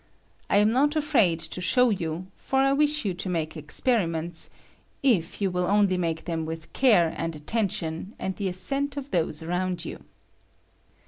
I am not afraid to ^^^ show you, for I wish you to make experimenta, if you will only make them with care and at tention, and the assent of those around you.